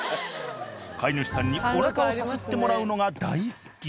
飼い主さんにおなかをさすってもらうのが大好き！